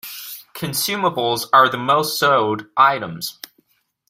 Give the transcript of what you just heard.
Consumables are the most sold items.